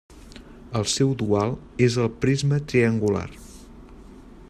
El seu dual és el prisma triangular.